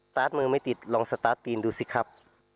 ตาร์ทมือไม่ติดลองสตาร์ทตีนดูสิครับ